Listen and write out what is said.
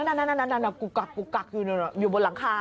นะหน้ามีตัวหลังคา